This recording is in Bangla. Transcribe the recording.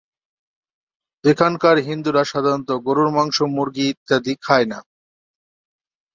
এখানকার হিন্দুরা সাধারণত গরুর মাংস, মুরগী ইত্যাদি খায় না।